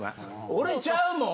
俺ちゃうもん！